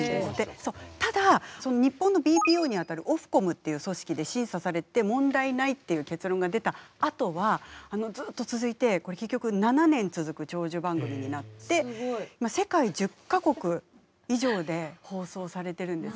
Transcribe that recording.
ただ日本のＢＰＯにあたるオフコムっていう組織で審査されて問題ないっていう結論が出たあとはずっと続いてこれ結局７年続く長寿番組になって世界１０か国以上で放送されてるんですね。